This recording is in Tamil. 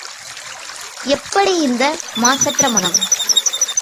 எப்படி இந்த மாசற்ற மனம்?